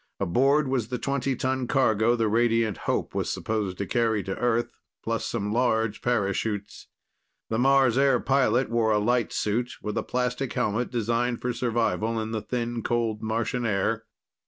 Aboard was the 20 ton cargo the Radiant Hope was supposed to carry to Earth, plus some large parachutes. The Mars Air pilot wore a light suit with plastic helmet designed for survival in the thin, cold Martian air.